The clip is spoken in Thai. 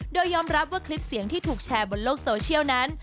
โดยยอมรับว่าคลิปเสียงที่ถูกแชร์บนโลกโซเชียลนั้น